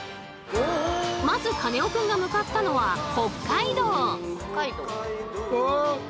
まずカネオくんが向かったのは北海道。